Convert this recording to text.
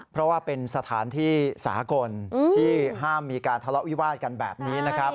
เพราะว่าเป็นสถานที่สากลที่ห้ามมีการทะเลาะวิวาดกันแบบนี้นะครับ